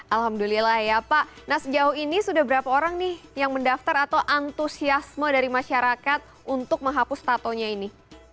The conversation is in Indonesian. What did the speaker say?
alhamdulillah ya pak nah sejauh ini sudah berapa orang nih yang mendaftar atau antusiasme dari masyarakat untuk menghapus tatonya ini